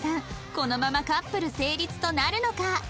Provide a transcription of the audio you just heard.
このままカップル成立となるのか？